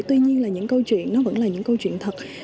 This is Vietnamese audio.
tuy nhiên là những câu chuyện nó vẫn là những câu chuyện thật